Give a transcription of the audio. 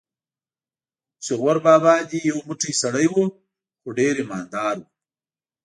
چې غور بابا دې یو موټی سړی و، خو ډېر ایمان دار و.